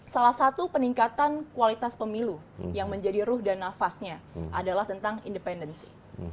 salah satu peningkatan kualitas pemilu yang menjadi ruh dan nafasnya adalah tentang independensi